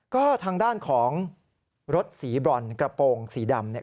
ก็ทางด้านของรถสีบรอนกระโปรงสีดำเนี่ย